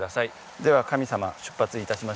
では神様出発致しましょう。